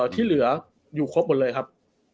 ที่เหลืออยู่ครบหมดเลยครับ